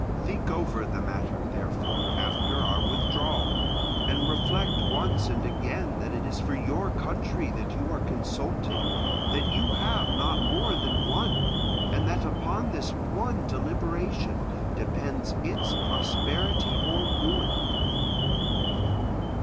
Think over the matter, therefore, after our withdrawal, and reflect once and again that it is for your country that you are consulting, that you have not more than one, and that upon this one deliberation depends its prosperity or ruin.